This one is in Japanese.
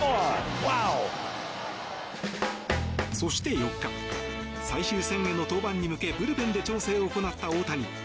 そして、４日最終戦への登板に向けブルペンで調整を行った大谷。